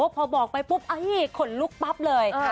พอบอกไปปุ๊บขนลุกปั๊บเลย